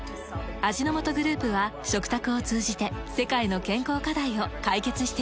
味の素グループは食卓を通じて世界の健康課題を解決していきます。